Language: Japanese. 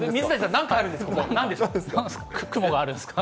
何があるんですか。